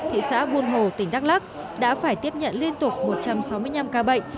thị xã buôn hồ tỉnh đắk lắc đã phải tiếp nhận liên tục một trăm sáu mươi năm ca bệnh